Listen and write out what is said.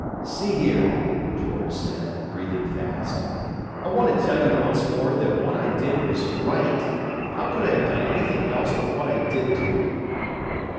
"See here," George said, breathing fast, "I want to tell you once more that what I did was right. How could I have done anything else but what I did do?"